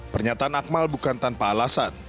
pernyataan akmal bukan tanpa alasan